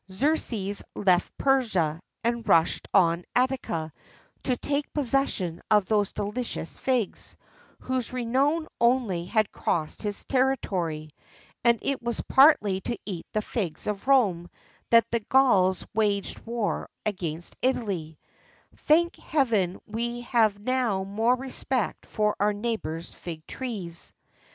Xerxes left Persia, and rushed on Attica, to take possession of those delicious figs, whose renown only had crossed his territory:[XIII 61] and it was partly to eat the figs of Rome that the Gauls waged war against Italy:[XIII 62] thank Heaven we have now more respect for our neighbours' fig trees.